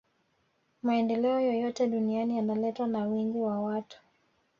maendeleo yoyote duniani yanaletwa na wingi wa watu